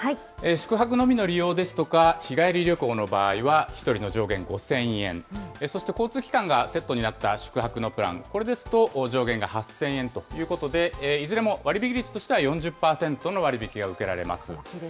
宿泊のみの利用ですとか、日帰り旅行の場合は１人の上限５０００円、そして交通機関がセットになった宿泊のプラン、これですと上限が８０００円ということで、いずれも割引率としては４０％の割引が受けられます。